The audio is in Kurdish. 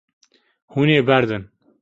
Hûn ê berdin.